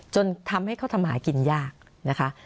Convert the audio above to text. จนทำให้เขาทำหากินยากนะคะ